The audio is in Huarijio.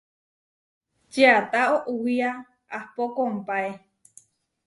Čiata oʼwía ahpó kompáe.